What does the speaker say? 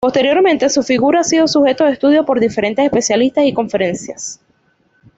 Posteriormente su figura ha sido sujeto de estudio por diferentes especialistas y conferencias